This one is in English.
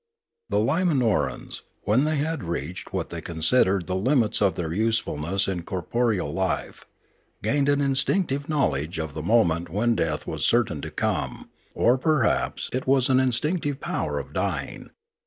The Limanorans, when they had reached what they considered the limits of their usefulness in corporeal life, gained an instinctive knowledge of the moment when death was certain to come, or perhaps it was an 380 Limanora instinctive power of dying.